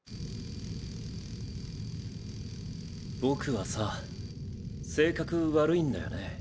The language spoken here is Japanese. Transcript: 僕はさ性格悪いんだよね。